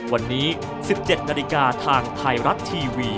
วันนี้๑๗นาฬิกาทางไทยรัฐทีวี